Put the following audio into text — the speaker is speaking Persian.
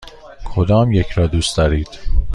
کدامیک را دوست دارید؟